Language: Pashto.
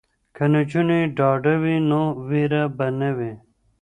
که نجونې ډاډه وي نو ویره به نه وي.